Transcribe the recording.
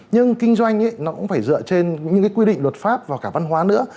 nhưng kinh doanh nó cũng phải dựa trên những cái quy định luật pháp và cả văn hóa nữa